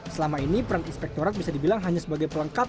selama ini peran inspektorat bisa dibilang hanya sebagai pelengkap